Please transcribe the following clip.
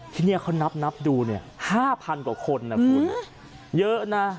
ที่นี่เขานับดูเนี่ย๕๐๐กว่าคนนะคุณเยอะนะ